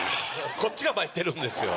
こっちが参ってるんですよ。